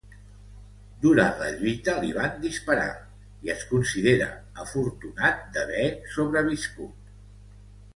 Durant la lluita li van disparar, i es considera afortunat d'haver sobreviscut.